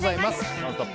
「ノンストップ！」